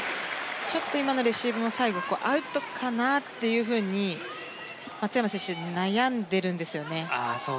今のレシーブも最後、アウトかなというふうに松山選手、悩んでるんですよね。